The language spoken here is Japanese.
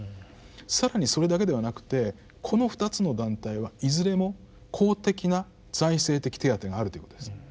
更にそれだけではなくてこの２つの団体はいずれも公的な財政的手当があるということです。